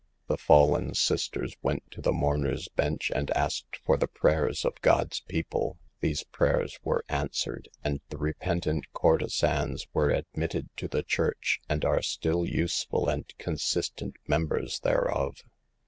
The fallen sisters went to the mourner's bench, and asked for the prayers of God's people. These prayers were answered, and the repentant courtesans HOW TO SAVE OUR ERRING SISTERS. 253 were admitted to the church, and are still use ful and consistent members thereof.